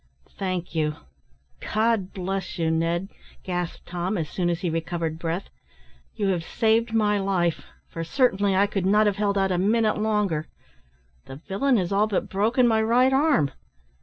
"Thank you God bless you, Ned," gasped Tom, as soon as he recovered breath; "you have saved my life, for certainly I could not have held out a minute longer. The villain has all but broken my right arm."